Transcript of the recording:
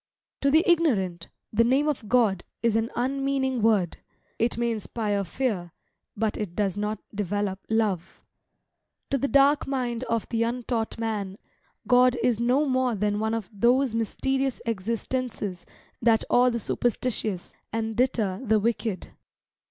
To the ignorant, the name of God is an unmeaning word; it may inspire fear, but it does not develope love. To the dark mind of the untaught man, God is no more than one of those mysterious existences that awe the superstitious, and deter the wicked.